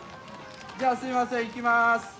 じゃあすいませんいきます。